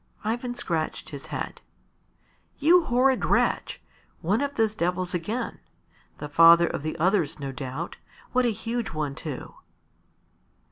Ivan scratched his head. "You horrid wretch! One of those devils again! The father of the others, no doubt. What a huge one too!"